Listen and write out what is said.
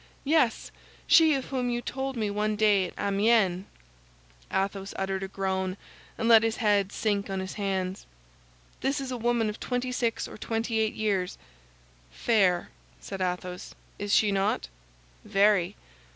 "Yes, she of whom you told me one day at Amiens." Athos uttered a groan, and let his head sink on his hands. "This is a woman of twenty six or twenty eight years." "Fair," said Athos, "is she not?" "Very."